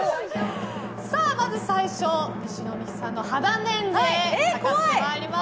まず最初西野未姫さんの肌年齢、測ってまいります。